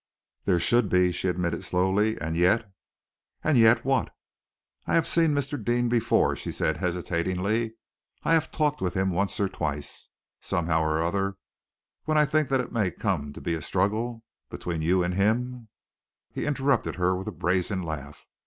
"There should be," she admitted slowly. "And yet " "And yet what?" "I have seen Mr. Deane before," she said hesitatingly. "I have talked with him once or twice. Somehow or other, when I think that it may come to be a struggle between you and him " He interrupted her with a brazen laugh.